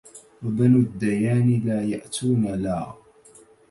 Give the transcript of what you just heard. وبنو الديان لا يأتون لا